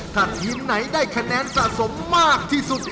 ถ้าทีมไหนได้คะแนนสะสมมากที่สุด